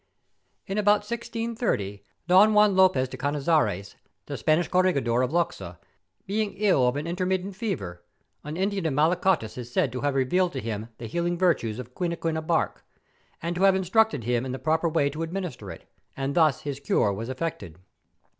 ... In about 1630 Don Juan Lopez de Canizares, the Spanish Corregidor of Loxa, being ill of an in¬ termittent fever, an Indian of Malacotas is said to have revealed to him the healing virtues of quin¬ quina bark, and to have instructed him in the proper way to administer it, and thus his cure was effected.